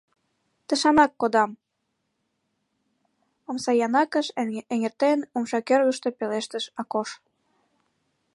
— Тышанак кодам, — омсаянакыш эҥертен, умша кӧргыштӧ пелештыш Акош.